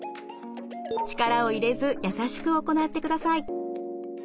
力を入れず優しく行ってください。